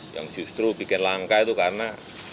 yang justru bikin langka itu karena